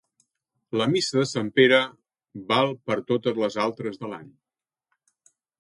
La missa de Sant Pere val per totes les altres de l'any.